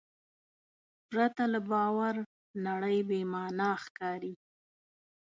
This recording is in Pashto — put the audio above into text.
پرته له باور نړۍ بېمانا ښکاري.